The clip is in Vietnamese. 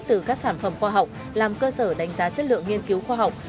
từ các sản phẩm khoa học làm cơ sở đánh giá chất lượng nghiên cứu khoa học